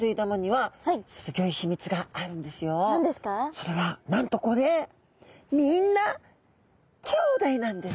それはなんとこれみんなきょうだいなんです。